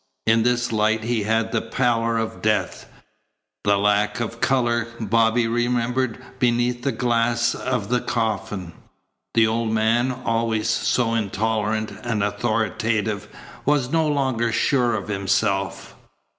In this light he had the pallor of death the lack of colour Bobby remembered beneath the glass of the coffin. The old man, always so intolerant and authoritative, was no longer sure of himself.